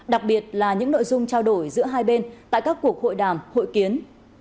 đặc biệt là những nội dung trao đổi giữa hai bên tại các cuộc hội đàm hội kiến